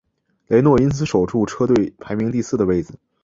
雷诺因此守住车队排名第四的位子。